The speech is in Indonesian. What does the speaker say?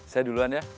saya duluan ya